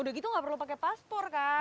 udah gitu gak perlu pakai paspor kan